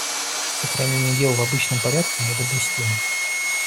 Сохранение дел в обычном порядке недопустимо.